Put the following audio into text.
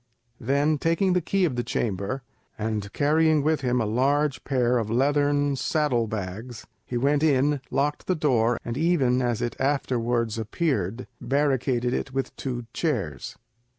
Then, taking the key of the chamber, and carrying with him a large pair of leathern saddle bags, he went in, locked the door, and even, as it afterwards appeared, barricaded it with two chairs.